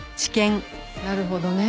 なるほどね。